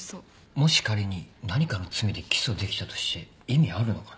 もし仮に何かの罪で起訴できたとして意味あるのかな？